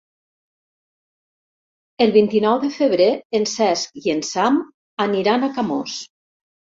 El vint-i-nou de febrer en Cesc i en Sam aniran a Camós.